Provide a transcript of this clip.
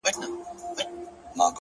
لپاره دې ښار كي ملنگ اوسېږم _